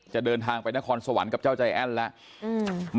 เดินทางไปนครสวรรค์กับเจ้าใจแอ้นแล้ว